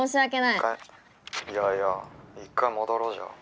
「いやいや一回戻ろう？じゃあ」。